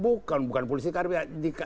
bukan bukan politisi karbitan